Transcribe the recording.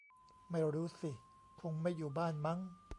ไม่รู้สิ คงไม่อยู่บ้านมั้ง